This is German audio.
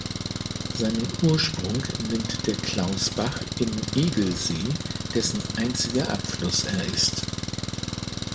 Seinen Ursprung nimmt der Klausbach im Egelsee, dessen einziger Abfluss er ist.